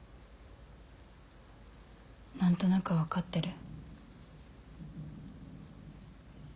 何となくは分かってる。